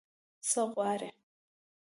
_څه غواړې؟